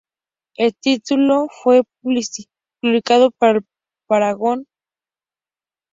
El título fue publicado por la Paragon Software Corporation.